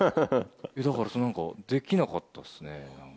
だからなんか、できなかったです